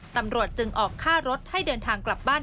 ตำรวจจึงออกค่ารถให้เดินทางกลับบ้าน